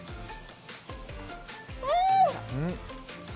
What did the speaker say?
うん！